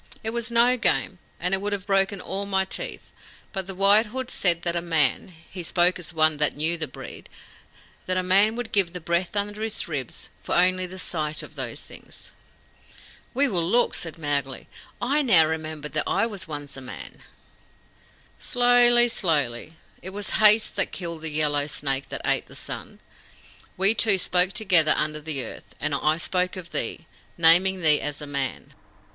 "It was no game, and would have broken all my teeth; but the White Hood said that a man he spoke as one that knew the breed that a man would give the breath under his ribs for only the sight of those things." "We will look," said Mowgli. "I now remember that I was once a man." "Slowly slowly. It was haste killed the Yellow Snake that ate the sun. We two spoke together under the earth, and I spoke of thee, naming thee as a man.